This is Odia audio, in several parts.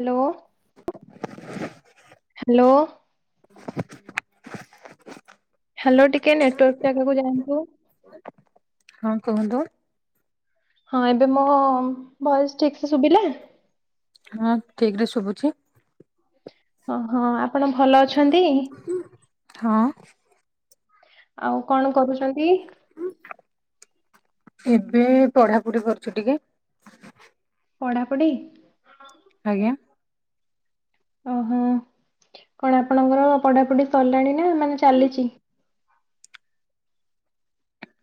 ହ୍ୟାଲୋ। ଓ ହ୍ୟାଲୋ ଟିକେ ନେଟୱାର୍କ ଜାଗାକୁ ଯାଆନ୍ତୁ। ହଁ କୁହନ୍ତୁ? ହଁ ଏବେ ମୋ ଭଏସ୍ ଠିକ ସେ ଶୁଭିଲା? ହଁ ଠିକ ରେ ଶୁଭୁଚି। ଓହଁ ଆପଣ ଭଲ ଅଛନ୍ତି? ହଁ। ଆଉ କଣ କରୁଚନ୍ତି? ଏବେ ପଢାପଢି କରୁଚି ଟିକେ। ପଢ଼ାପଢ଼ି। ଆଜ୍ଞା। ଓହୋ, କଣ ଆପଣଙ୍କର ପଢାପଢି ସରିଲାଣି ନା, ମାନେ ଚାଲିଚି?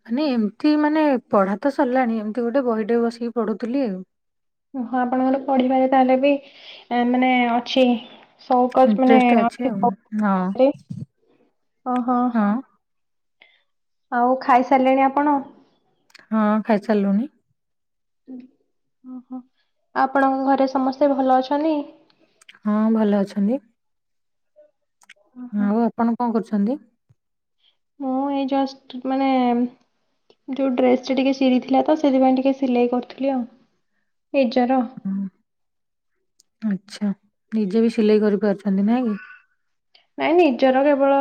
ମାନେ, ଏମିତି। ମାନେ ପଢା ତ ସରିଲାଣି। ଏମିତି ଗୋଟେ ବହିଟେ ବସିକି ପଢୁଥିଲି। ଓ ହୋ ଆପଣଙ୍କର ପଢିବାରେ ତାହେଲେ ବି ମାନେ ଅଛି। ସଉକସ ମାନେ ଇଣ୍ଟରେଷ୍ଟ ଅଛି ଆଉ [unintelligible] ହଁ, ହଁ। ଆଉ, ଖାଇସାରିଲେଣି ଆପଣ? ହଁ, ଖାଇସାରିଲୁନି। ଓହୋ, ଆପଣଙ୍କ ଘରେ ସମସ୍ତେ ଭଲ ଅଛନ୍ତି? ହଁ, ଭଲ ଅଛନ୍ତି। ଓହୋ ଆଉ, ଆପଣ କଣ କରୁଛନ୍ତି? ମୁଁ ଏଇ ଜଷ୍ଟ, ମାନେ ଯୋଉ ଡ୍ରେସ୍‌ଟା ଟିକେ ଚିରିଥିଲା ତ, ସେଥିପାଇଁ ଟିକେ ସିଲେଇ କରୁଥିଲି ଆଉ ନିଜର। ହଁ ଆଚ୍ଛା ନିଜେ ବି ସିଲେଇ କରିପାରୁଛନ୍ତି ନାଇଁ କି? ନାଇଁ, ନିଜର କେବଳ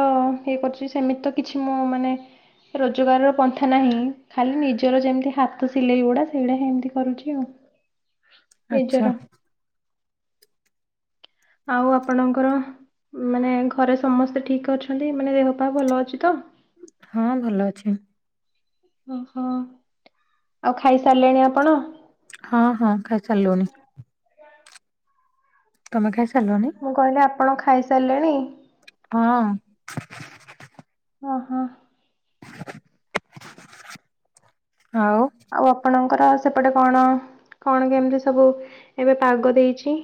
ଇଏ କରୁଛି। ସେମିତି ତ କିଛି ମୁଁ, ମାନେ ରୋଜଗାରର ପନ୍ଥା ନାହିଁ। ଖାଲି ନିଜର ଯେମିତି ହାତ ସିଲେଇ ଗୁଡ଼ା, ସେଇଡ଼ା ଏମିତି କରୁଛି ଆଉ। [unintelligible] ଆଚ୍ଛା। ନିଜର ଆଉ, ଆପଣଙ୍କର ମାନେ ଘରେ ସମସ୍ତେ ଠିକ ଅଛନ୍ତି? ମାନେ, ଦେହ ପାହା ଭଲ ଅଛି ତ? ହଁ, ଭଲ ଅଛି। ଓହୋ, ଆଉ ଖାଇସାରିଲେଣି ଆପଣ? ହଁ, ହଁ, ଖାଇ ସାରିଲୁଣି। ତମେ ଖାଇ ସାରିଲଣି? ମୁଁ କହିଲି, ଆପଣ ଖାଇ ସାରିଲେଣି? ହଁ। ଓ ହୋ। ଆଉ ଆଉ, ଆପଣଙ୍କର ସେପଟେ କଣ? କଣ କେମିତି ସବୁ ଏବେ ପାଗ ଦେଇଛି?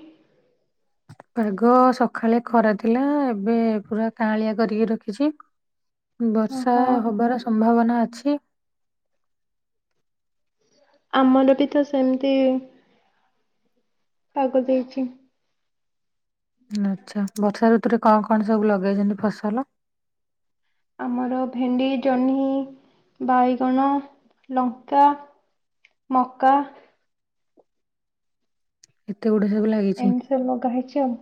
ପାଗ ସକାଳେ ଖରା ଥିଲା। ଏବେ ପୁରା କାଳିଆ କରିକି ରଖିଛି। ବର୍ଷା ଓହୋ ହବାର ସମ୍ଭାବନା ଅଛି। ଆମର ବି ତ ସେମିତି ପାଗ ଦେଇଛି। ଆଚ୍ଛା, ବର୍ଷା ଋତୁରେ କଣ କଣ ସବୁ ଲଗେଇଛନ୍ତି ଫସଲ? ଆମର ଭେଣ୍ଡି, ଜହ୍ନି, ବାଇଗଣ, ଲଙ୍କା ମକା। ଏତେ ଗୁଡେ ସବୁ ଲାଗିଛି। ନଗା ହେଇଚି ଆଉ।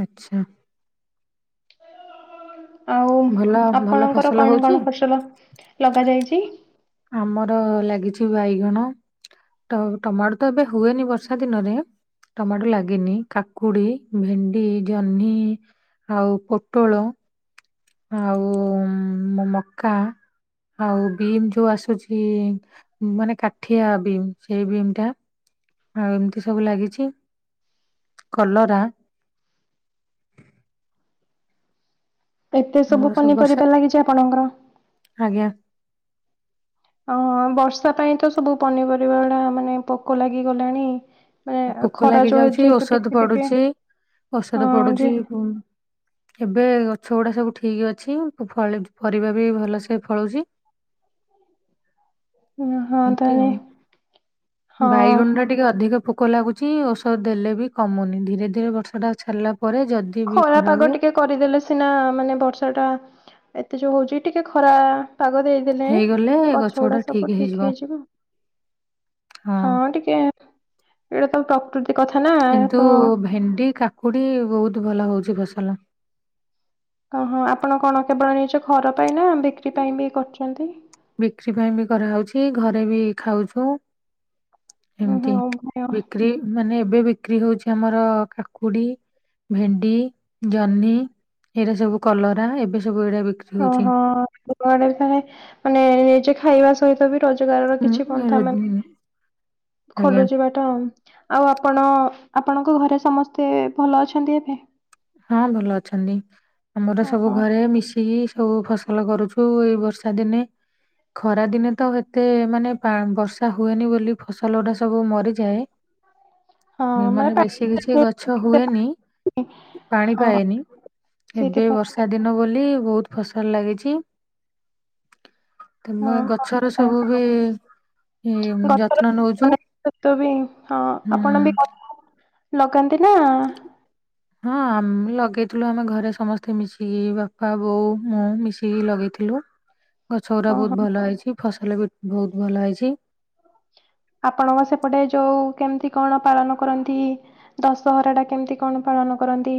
ଆଚ୍ଛା। ଆଉ, ଭଲ ଭଲ ଆପଣଙ୍କର ଫସଲ କଣ ହଉଛି? କଣ ଫସଲ ଲଗାଯାଇଛି? ଆମର ଲାଗିଛି ବାଇଗଣ ତ, ଟମାଟୋ ତ ଏବେ ହୁଏନି ବର୍ଷା ଦିନରେ। ଟମାଟୋ ଲାଗିନି। କାକୁଡି, ଭେଣ୍ଡି, ଜହ୍ନି ଆଉ, ପୋଟଳ ଆଉ, ମକା ଆଉ ବିମ୍ ଯୋଉ ଆସୁଛି ମାନେ, କାଠିଆ ବିମ୍ ସେଇ ବିମ୍ ଟା, ଆଉ ଏମିତି ସବୁ ଲାଗିଛି। କଲରା। ଏତେ ଆମର ସବୁ ବର୍ଷା ପନିପରିବା ଲାଗିଛି ଆପଣଙ୍କର? ଆଜ୍ଞା। ଅ, ବର୍ଷା ପାଇଁ ତ ସବୁ ପନିପରିବା ଗୁଡା, ମାନେ ପୋକ ଲାଗିଗଲାଣି। ମାନେ ପୋକ ଖରା ଯୋଉ ଲାଗିଯାଉଛି। ଯେହେତୁ ଔଷଧ ଟିକେ ଟିକେ ପଡୁଛି, ଔଷଧ ହଁ ଯେ ପଡୁଛି। ଏବେ ଗଛ ଗୁଡା ସବୁ ଠିକ ଅଛି। ପରିବା ବି ଭଲସେ ଫଳୁଛି। ହଁ ଏମତି ତାହେଲେ ଆଉ। ହଁ ବାଇଗଣ ଟା ଟିକେ ଅଧିକ ପୋ ପୋକ ଲାଗୁଚି ଔଷଧ ଦେଲେ ବି କମୁନି ଧୀରେ ଧୀରେ ବର୍ଷାଟା ଛାଡଲା ପରେ ଯଦି ବି ଖରା ପାଗ ହୁଏ ଟିକେ କରିଦେଲେ ସିନା ମାନେ ବର୍ଷାଟା ଏତେ ଯୋଉ ହୋଉଚି ଟିକେ ଖରା ପାଗ ଦେଇଦେଲେ ହେଇଗଲେ ଗଛ ଗଛଗୁଡା ଗୁଡା ସବୁ ଠିକ ହେଇଯିବ। ହଁ ଟିକେ ଏଇଟା ତା ପ୍ରକୃତି। କଥା ନା କିନ୍ତୁ ତ ଭେଣ୍ଡି କାକୁଡି ବୋହୁତ ଭଲ ହୋଉଚି ଫସଲ। ଓ ହଁ ଆପଣ କଣ କେବଳ ନିଜ ଘର ପାଇଁ ନା ବିକ୍ରି ପାଇଁ ବି କରୁଚନ୍ତି? ବିକ୍ରି ପାଇଁ ବି କରାହୋଉଚି ଘରେ ବି ଖାଉଚୁ। ଓହୋ ଏମତି ଉଭୟ ବିକ୍ରି ମାନେ ଏବେ ବିକ୍ରି ହୋଉଚି ଆମର କାକୁଡି ଭେଣ୍ଡି, ଜହ୍ନି ଏରା ସବୁ କଲରା, ଏବେ ସବୁ ଏଡା ବିକ୍ରି ହଉଛି ଓହୋ [unintelligible] ମାନେ ନିଜେ ଖାଇବା ସହିତ ବି ରୋଜଗାରର ଉଁ କିଛି ପନ୍ଥା ରୋ ମାନେ ଆଜ୍ଞା ଖୋଲୁଚି ବା ତ ଆଉ ଆପଣ ଆପଣଙ୍କ ଘରେ ସମସ୍ତେ ଭଲ ଅଛନ୍ତି ଏବେ? ହଁ ଭଲ ଅଛନ୍ତି ଆମର ସବୁ ଓହୋ ଘରେ ମିଶିକି ସେ କୋଉ କୋଉ ଫସଲ କରୁଛୁ ଏଇ ବର୍ଷା ଦିନେ? ଖରା ଦିନେ ତ ଏତେ ମାନେ ପା ବର୍ଷା ହୁଏନି ବୋଲି ଫସଲଗୁଡା ସବୁ ମରିଯାଏ। ଏ ମାନେ ବେଶୀ କିଛି ଗଛ ହୁଏନି। [inaudible] ପାଣି ପାଏନି ଏବେ ସେଇଥିପାଇଁ ବର୍ଷ୍ ଷା ଦିନ ବୋଲି ବୋହୁତ ଫସଲ ଲାଗିଛି। ତମେ ହଁ ଗଛର ସବୁ ବି ହଁ, ଇ ଯତ୍ନ ନୋଉଚୁ? ତ ତବି ଇଁ ହଁ ଆପଣ ବି ଲ ଲଗାନ୍ତି ନା ହଁ ଆମେ ଲଗେଇଥିଲୁ ଆମେ ଘରେ ସମସ୍ତେ ମିଶିକି ବାପା, ବୋଉ, ମୁଁ ମିଶିକି ଲଗେଇଥିଲୁ। [inaudible] ଗଛ ଗୁରା ବୋହୁତ ଓହୋ ଭଲ ହେଇଚି ଫସଲ ବି ବୋହୁତ ଭଲ ହେଇଚି। ଆପଣଙ୍କ ସେପଟେ ଯୋଉ କେମିତି କଣ ପାଳନ କରନ୍ତି? ଦଶହରାଟା କେମିତି କଣ ପାଳନ କରନ୍ତି?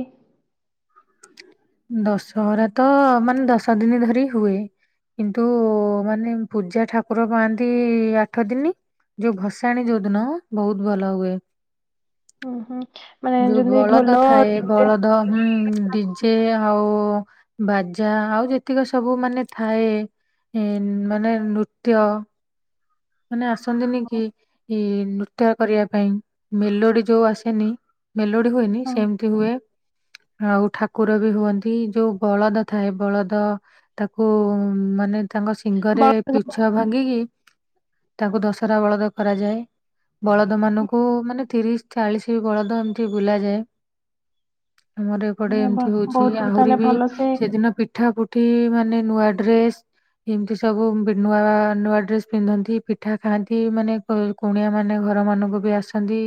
ଦଶହରା ତ ମାନେ ଦଶ ଦିନି ଧରି ହୁଏ। କିନ୍ତୁ ମାନେ ପୂଜା ଠାକୁର ପାଆନ୍ତି ଆଠ ଦିନି। ଯୋଉ ଭସାଣି ଯୋଉଦିନ ବୋହୁତ ଭଲ ହୁଏ। ଉଁହୁଁ ମାନେ ଯେମତି ଢୋଲ [inaudible] ତ ହୁଁ ଡିଜେ ଆଉ ବାଜା ଆଉ ଯେତିକି ସବୁ ମାନେ ଥାଏ ଏ ମାନେ ନୃତ୍ୟ। ମାନେ ଆସନ୍ତିନି କି ହଁ ଇ ନୃତ୍ୟ କରିବା ପାଇଁ ମେଲୋଡି ଯୋଉ ଆସେନି। ମେଲୋଡି ହୁଏନି ହଁ। ସେମତି ହୁଏ। ଆଉ ଠାକୁର ବି ହୁଅନ୍ତି ଯୋଉ ବଳଦ ବଳଦ ଥାଏ ବଳଦ। ତାକୁ ମାନେ ତାଙ୍କ ବ ଶିଙ୍ଗରେ ପିଛା ଭାଙ୍ଗିକି? ତାକୁ ଦଶହରା ବଳଦ କରାଯାଏ। ବଳଦମାନଙ୍କୁ ମାନେ ତିରିଶ ଚାଳିଶି ବଳଦ ଏମିତି ବୁଲାଯାଏ। ଆମର ଏପଟେ ମାନେ ବ- ଏମତି ହୋଉଛି ବହୁତ ଆହୁରି ତାହେଲେ ବି ଭଲସେ ସେଦିନ ପିଠାକୁ ଏଠି ମାନେ ନୂଆ ଡ୍ରେସ ଏମତି ସବୁ ବି ନୂଆ ନୂଆ ଡ୍ରେସ ପିନ୍ଧନ୍ତି ପିଠା ଖାଆନ୍ତି ମାନେ କ କୁଣିଆମାନେ ଘର ମାନଙ୍କୁ ବି ଆସନ୍ତି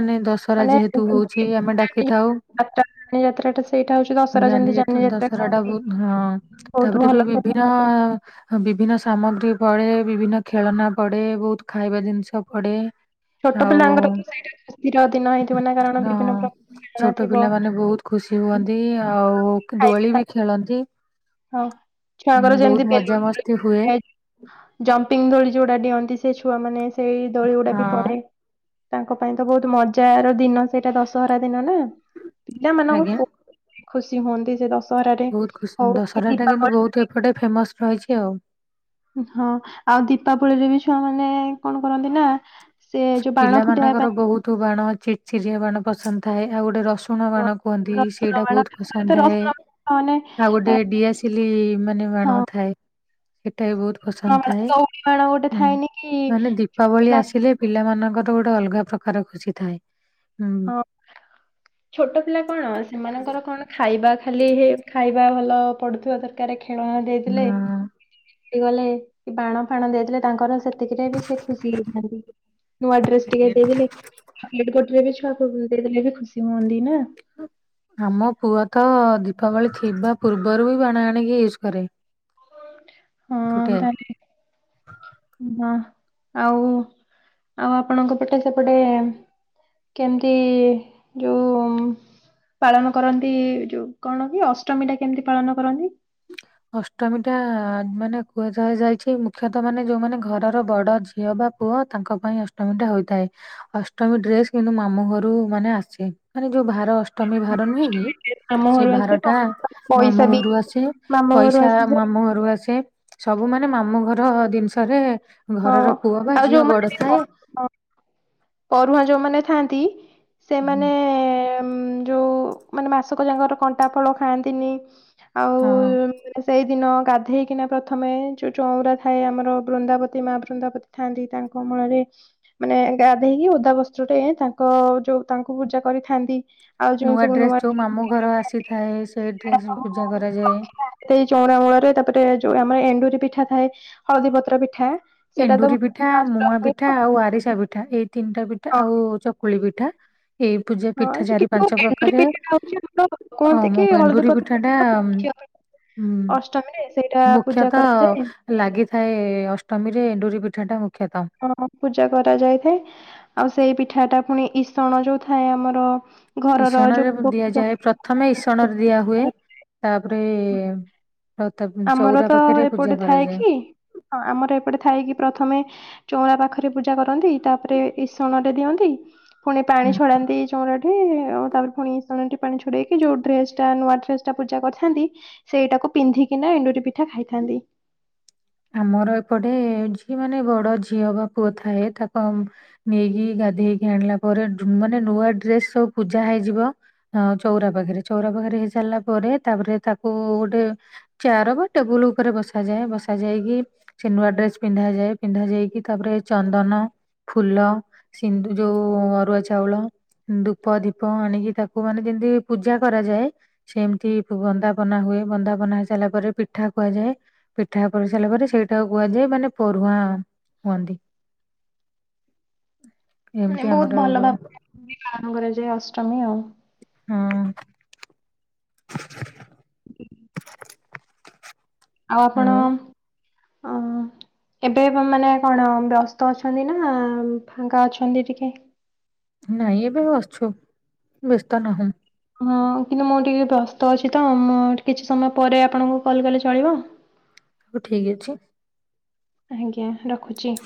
ମାନେ ଦଶ୍ ଦଶରା ମାନେ ଯେହେତୁ ହୋଉଛି ଆମେ ଡାକିଥାଉ। ଯାତ୍ରା ଯାନି ଯାତ୍ରା ଟା ସେଇଟା ହଉଛି ଦଶହରା ଜାନି ଯେମିତି ଯାତରା ଯାନି ଯାତ୍ରା ଦଶହରାଟା କହନ୍ତି। ବୋହୁତ ହଁ। ବହୁତ ତାପରେ ଭଲ ବି କଥା ବିଭିନ ସମସ୍ତେ ଓ ବିଭିନ୍ନ ସାମଗ୍ରି ପଡେ, ବିଭିନ୍ନ ଖେଳନା ପଡେ, ବୋହୁତ ଖାଇବା ଜିନଷ ପଡେ। ଛୋଟ ଆଉ ପିଲାଙ୍କର ତ ସେଇଟା ଖୁସିର ଦିନ ହେଇଥିବ ନା କାରଣ ହଁ ବିଭିନ୍ନ ପ୍ରକାର ଖେଳନା ଛୋଟ ଥିବ। ପିଲାମାନେ ବହୁତ ଖୁସି ହୁଅନ୍ତି ଆଉ କି ଦୋଳି ବି ଖେଳନ୍ତି। ହଉ ହୁଁ ଛୁଆଙ୍କର ବହୁତ ଯେମିତି ବେଲୁନ ରେ ମଜାମସ୍ତି ହୁଏ [unintelligible] ଜମ୍ପିଙ୍ଗ ଦୋଳି ଯୋଉଟା ଡିଅନ୍ତି ସେ ଛୁଆ ମାନେ ସେଇ ଦୋଳି ଗୁଡା ବି ହଁ ପଡେ। ତାଙ୍କ ପାଇଁ ତ ବହୁତ ମଜାର ଦିନ ସେଇଟା ଦଶହରା ଦିନ ନା। ପିଲାମାନଙ୍କୁ ଆଜ୍ଞା ବହୁତ ଖୁସି ହୁଅନ୍ତି। ଯେ ଦଶହରାରେ ହଉ କି ବଜାରଟା କିନ୍ତୁ ଦୀପାବଳି ବହୁତ ଏପଟେ ଫେମସ୍ ରହିଛି ଆଉ। ହଁ ଆଉ ଦୀପାବଳିକି ବି ଛୁଆ ମାନେ କଣ କରନ୍ତି ନା। ସେ ଯୋଉ ବାଣ ଫୁଟେଇବା ପିଲାମାନଙ୍କର ବହୁତ ବାଣ ଚିଚିରି ବାଣ ପସନ୍ଦ ଥାଏ। ଆଉ ଗୋଟେ ରସୁଣ ପାଇଁ ବାଣ। କୁହନ୍ତି ରସୁଣ ସେଇଟା ବାଣ ବହୁତ ଖାସ କରି ତ ପସନ୍ଦ ଥାଏ। ରସୁଣ ବାଣ ମାନେ ଆଉ ଗୋଟେ ଡିଆ ସିଲି ମାନେ ବାଣ ହଁ ଥାଏ। ସେଟା ବହୁତ ପସନ୍ଦ ରସୁଣ ବାଣ, ଥାଏ। ଦଉଡି ବାଣ ଗୋଟେ ହୁଁ ଥାଏନି ମାନେ କି ଦି ଦୀପାବଳି ଆସିଲେ ପିଲାମାନଙ୍କର ଗୋଟେ ଅଲଗା ପ୍ରକାର ଖୁସି ଥାଏ। ହୁଁ। ହଁ ଛୋଟ ପିଲା କଣ ସେମାନଙ୍କର କଣ ଖାଇବା ଖାଲିରେ ଖାଇ ଖିଇବା ଭଲ ପଡୁଥିବା ଦରକାର ଖେଳଣା ଦେଇଥିଲେ। ହଁ, ଗଲେ କି ବାଣ ଫାଣ ଦେଇଥିଲେ ତାଙ୍କର ସେ ସେଥିରେବି ସେ ଖୁସି ହେଇଥାନ୍ତି। ନୂଆ ଡ୍ରେସ ଟିକେ ଦେଇଦଲେ [unintelligible] ବାପ ପୁଅ ଦେଇ ଦେଲେ ବି ଖୁସି ହୁଅନ୍ତି ନା। ଆମ ପୁଅ ତ ଦୀପାବଳି ଥିବା ପୂର୍ବରୁ ବି ବାଣ ଆଣିକି ୟୁଜ୍ କରେ। ହଁ ଫୁଟାଏ ତାହେଲେ ନା ଆଉ ଆଉ ଆପଣଙ୍କ ପଟେ ସେପଟେ କେମିତି ଯୋଉ ପାଳନ କରନ୍ତି। ଯୋଉ କଣ କି ଅଷ୍ଟମୀ ଟା କେମିତି ପାଳନ କରନ୍ତି। ଅଷ୍ଟମୀ ଟା ମାନେ କୁହାଯାହା ଯାଇଛି। ମୁଖ୍ୟତଃ ମାନେ ଯୋଉମାନେ ଘରର ବଡ ଝିଅ ବା ପୁଅ ତାଙ୍କ ପାଇଁ ଅଷ୍ଟମୀ ଟା ହୋଇଥାଏ। ଅଷ୍ଟମୀ ଡ୍ରେସ୍ କିନ୍ତୁ ମାମୁଁ ଘରୁ ମାନେ ଆସେ। ମାନେ ବେଭାର ଅଷ୍ ତମି ଭାର ନୁହେଁ କି ମାମୁଁ ସେ ଘରୁ ଆସେ ଭାର ଟା ପଇସା ମାମୁଁ ବି ଘରୁ ଆସେ। ମାମୁଁ ଘରୁ ପଇସା ଆସେ ମାମୁଁ ଘରୁ ଆସେ ସବୁ ମାନେ ମାମୁଁ ଘର ଦିନିଷରେ ହଁ ଘରର ପୁଅ ବା ଆଉ ଝିଅ ଯୋଉମାନେ ବଡ ବି ପ ଥାଏ। ପରୁହାଁ ଯୋଉମାନେ ଥାଆନ୍ତି। ସେ ହୁଁ, ମାନେ ଉଁ ଯୋଉ ମାନେ ମାସକ ଯାକର କଣ୍ଟା ଫଳ ଖାଆନ୍ତିନି। ଆଉ ହଁ। ସେଇଦିନ ଗାଧେଇକିନା ପ୍ରଥମେ ଯୋଉ ଚଉରା ଥାଏ। ଆମର ବୃନ୍ଦାବ ତି ମା ବୃନ୍ଦାବତି ଥାଆନ୍ତି। ତାଙ୍କ ମୂଳରେ ମାନେ ଗାଧେଇକି ଓଦା ବସ୍ତ୍ର ଟେ ତାଙ୍କ ଯୋଉ ତାଙ୍କୁ ପୂଜା କରିଥାନ୍ତି। ଆଉ ଯୋଉ ନୂଆ ସବୁ ଡ୍ରେସ ଯୋଉ ମାମୁଁ ଘର ଆସିଥାଏ। ସେଇ ପିଢ଼ା ଡ୍ରେସ ପୂଜା ସବୁ କରାଯାଏ। ରଖିଥାନ୍ତି ସେଇ ଚଉଁରା ମୂଳରେ ତାପରେ ଯୋଉ ଆମର ଏଣ୍ଡୁରି ପିଠା ଥାଏ ହଳଦୀ ପତ୍ର ପିଠା। ସେଇଟା ତ ଏଣ୍ଡୁରି ପିଠା ମୁଆ ପିଠା ମୁଁ- ଆଉ ଆରିସା ପିଠା ଏଇ ତିନିଟା ପିଠା ହଁ ଆଉ ଚକୁଳି ପିଠା। ଏଇ ପୂଜା ହଁ ପିଠା ଯେ ଚାରି କିନ୍ତୁ ପାଞ୍ଚ ଏଣ୍ଡୁରି ପ୍ରକାରେ। ପିଠାଟା ହଉଛି ଆମର ଅ କୁହନ୍ତି ମୋ କି ହଳଦୀ ଏଣ୍ଡୁରି ପତ୍ର ପିଠା ଟା ପିଠାଟା ଝିଅ ପିଲା ହୁଁ ଅଷ୍ଟମୀରେ ସେଇଟା ପୂଜା ମୁଖ୍ୟତଃ କରାଯାଏ ଲାଗିଥାଏ ଅଷ୍ଟମୀରେ ଏଣ୍ଡୁରି ପିଠାଟା ମୁଖ୍ୟତଃ। ହଁ ପୂଜା କରାଯାଇଥାଏ। ଆଉ ସେଇ ପିଠା ଟା ପୁଣି ଇସଣ ଯୋଉ ଥାଏ ଆମର। ଘରର ଇସଣରେ ଯୋଉ [unintelligible] ଦିଆଯାଏ ପ୍ରଥମେ ଇସଣରେ ଦିଆ ହୁଏ। ତାପରେ ଆଉ ତା ଆମର ଚଉରା ତ ପାଖରେ ପୂଜା ଏପଟେ ଥାଏ କରାଯାଏ। କି? ହଁ ଆମର ଏପଟେ ଥାଏ କି ପ୍ରଥମେ ଚଉଁରା ପାଖରେ ପୂଜା କରନ୍ତି। ତାପରେ ଇସଣ ରେ ଦିଅନ୍ତି। ପୁଣି ପାଣି ହୁଁ। ଛଡାନ୍ତି ଚଉରାଁଠି। ଆଉ ତାପରେ ପୁଣି ଇସାଣଟି ପାଣି ଛଡେଇକି ଯୋଉ ଡ୍ରେସ ଟା ନୂଆ ଡ୍ରେସ ଟା ପୂଜା କରିଥାନ୍ତି। ସେଇଟାକୁ ପିନ୍ଧି କି ନା ଏଣ୍ଡୁରି ପିଠା ଖାଇଥାନ୍ତି। ଆମର ଏପଟେ ଯିଏ ମାନେ ବଡ ଝିଅ ବା ପୁଅ ଥାଏ ତାକୁ ନେଇକି ଗାଧେଇଇକି ଆଣିଲା ପରେ ମାନେ ନୂଆ ଡ୍ରେସ ସବୁ ପୂଜା ହେଇଯିବ ହ ଚଉରା ପାଖରେ ଚଉରା ପାଖରେ ହେଇ ସାରିଲା ପରେ ତାପରେ ତାକୁ ଗୋଟେ ଚେୟାର ବା ଟେବୁଲ ଉପରେ ବସାଯାଏ ବସ ଶା ଯାଇକି ସେ ନୁଆ ଡ୍ରେସ ପିନ୍ଧା ଯାଏ ପିନ୍ଧା ଯାଇକି ତାପରେ ଚନ୍ଦନ ଫୁଲ ସିନ୍ଧୁ ଯଉ ଅରୁୁଆ ଚାଉଳ। ଧୂପ ଦିପ ଆଣିକି ତାକୁ ମାନେ ଯେମିତି ପୂଜା କରାଯାଏ। ସେମତି ବନ୍ଦାପନା ହୁଏ ବନ୍ଦାପନା ହେଇ ସାରିଲା ପରେ ପିଠା କୁହାଯାଏ। ପିଠା କରିସାରିଲା ପରେ ସେଇଟାକୁ କୁହାଯାଏ ମାନେ ପରୁଆଁ ହୁଅନ୍ତି। ଏମିତି ବହୁତ ଆମର ଭଲ ହୁଏ ଭାବରେ ପାଳନ କରାଯାଏ ଅଷ୍ଟମୀ ଆଉ। ହୁଁ। [unintelligible] ଆଉ ଆପଣ ଆଁ। ଏବେ ମାନେ କଣ ବ୍ୟସ୍ତ ଅଛନ୍ତି ନା ଫାଙ୍କା ଅଛନ୍ତି ଟିକେ? ନାଇଁ ଏବେ ବସଛୁ ବ୍ୟସ୍ତ ନାହୁଁ। ହଁ କିନ୍ତୁ ମୁଁ ଟିକେ ବ୍ୟସ୍ତ ଅଛି ତ ମୁ କିଛି ସମୟ ପରେ ଆପଣଙ୍କୁ କଲ୍ କଲେ ଚଳିବ? ହଉ ଠିକ୍ ଅଛି। ଆଜ୍ଞା, ରଖୁଛି।